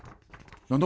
何だ？